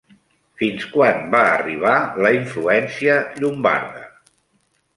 Fins quan va arribar la influència llombarda?